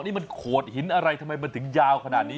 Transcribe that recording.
นี่มันโขดหินอะไรทำไมมันถึงยาวขนาดนี้